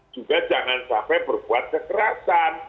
juga jangan sampai berbuat kekerasan